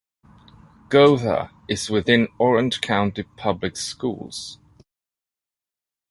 Gotha is within Orange County Public Schools.